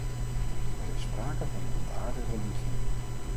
Er is sprake van ontaarde religie.